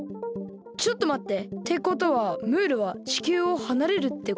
ちょっとまって。ってことはムールは地球をはなれるってこと？